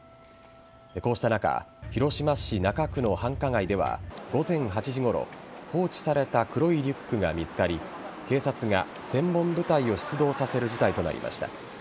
こうした中広島市中区の繁華街では午前８時ごろ、放置された黒いリュックが見つかり警察が専門部隊を出動させる事態となりました。